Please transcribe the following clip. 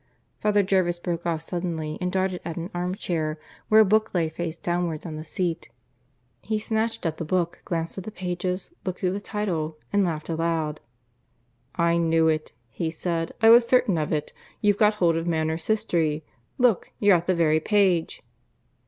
Father Jervis broke off suddenly and darted at an arm chair, where a book lay face downwards on the seat. He snatched up the book, glanced at the pages, looked at the title, and laughed aloud. "I knew it," he said; "I was certain of it. You've got hold of Manners' History, Look! you're at the very page."